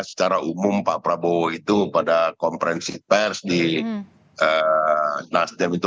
secara umum pak prabowo itu pada konferensi pers di nasdem itu